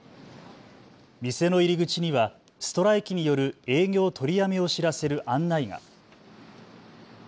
店の入り口にはストライキによる営業取りやめを知らせる案内が。